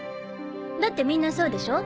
だってみんなそうでしょ。